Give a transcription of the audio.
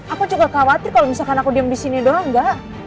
aku juga khawatir kalau misalkan aku diem disini doang ga